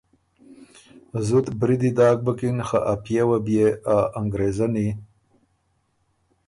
زُت بریدی داک بُکِن خه ا پئے وه بيې ا انګرېزنی